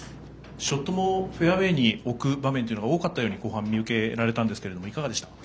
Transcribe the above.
ショットもフェアウェーに置く場面というのが多かったと後半見受けられたんですけどいかがでした？